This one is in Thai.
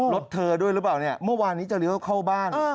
รถเธอด้วยหรือเปล่าเนี่ยเมื่อวานนี้จะเลี้ยวเข้าบ้าน